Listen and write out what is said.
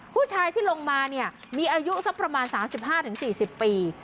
ผู้ชายที่ลงมาเนี่ยมีอายุสักประมาณสามสิบห้าถึงสี่สิบปี